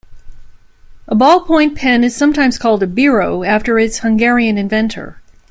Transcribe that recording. A ballpoint pen is sometimes called a Biro, after its Hungarian inventor